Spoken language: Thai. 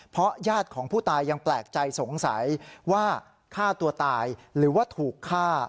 เพราะญาติของผู้ตายยังแปลกใจสงสัยว่าฆ่าตัวตายหรือว่าถูกฆ่า